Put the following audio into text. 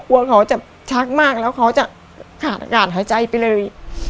เขาจะชักมากแล้วเขาจะขาดอากาศหายใจไปเลย